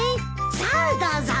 さあどうぞ！